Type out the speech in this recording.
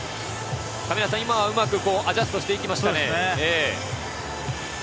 今うまくアジャストしていきましたね。